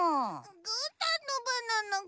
ぐーたんのバナナぐ？